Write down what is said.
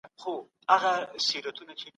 د څېړنې په پایله کې ډېر شکونه لرې کیږي.